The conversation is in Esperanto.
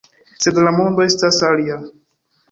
Sed la mondo estas alia.